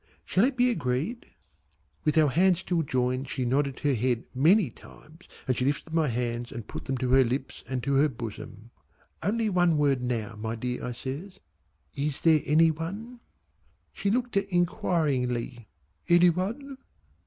Shall it be agreed?" With our hands still joined she nodded her head many times, and she lifted my hands and put them to her lips and to her bosom. "Only one word now my dear" I says. "Is there any one?" She looked inquiringly "Any one?"